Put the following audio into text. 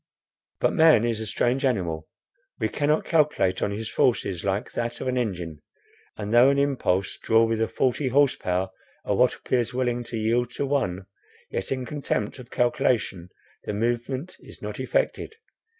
But man is a strange animal. We cannot calculate on his forces like that of an engine; and, though an impulse draw with a forty horse power at what appears willing to yield to one, yet in contempt of calculation the movement is not effected.